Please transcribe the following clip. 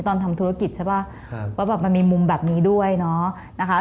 ทำธุรกิจใช่ป่ะว่าแบบมันมีมุมแบบนี้ด้วยเนาะนะคะ